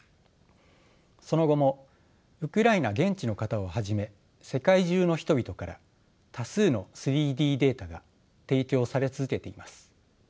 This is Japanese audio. その後もウクライナ現地の方をはじめ世界中の人々から多数の３Ｄデータが提供され続けています。